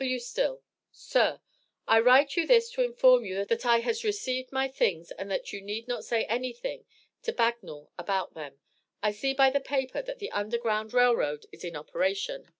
W. Still: Sir I write you this to inform you that I has received my things and that you need not say any thing to Bagnul about them I see by the Paper that the under ground Rail Road is in operation.